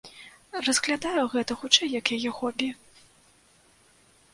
Разглядаю гэта, хутчэй, як яе хобі.